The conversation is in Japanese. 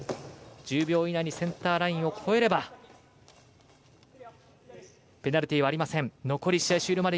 １０秒以内にセンターラインを越えればペナルティーはありません。